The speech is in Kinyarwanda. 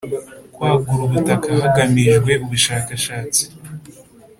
kwagura ubutaka hagamijwe ubushakashatsi